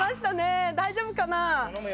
大丈夫かな。